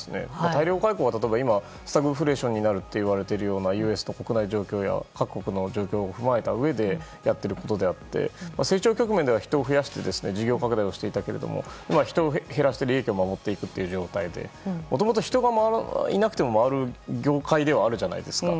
大量解雇が今、スタグフレーションになるといわれているＵＳや国内状況や各国の状況を踏まえたうえでやっていることであって成長局面では人を増やして事業拡大したけど人を切って利益を守っていくという状態でもともと人がいなくても回る業界ではあるじゃないですか。